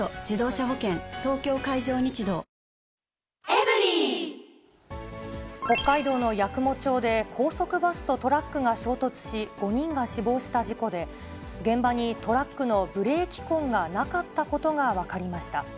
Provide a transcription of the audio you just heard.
東京海上日動北海道の八雲町で高速バスとトラックが衝突し、５人が死亡した事故で、現場にトラックのブレーキ痕がなかったことが分かりました。